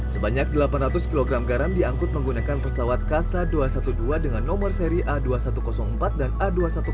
sebanyak delapan ratus kg garam diangkut menggunakan pesawat kasa dua ratus dua belas dengan nomor seri a dua ribu satu ratus empat dan a dua ratus sepuluh